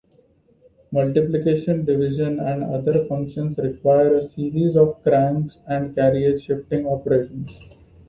Multiplication, division, and other functions require a series of crank and carriage-shifting operations.